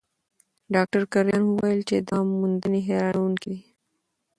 ډاکټر کرایان وویل چې دا موندنې حیرانوونکې دي.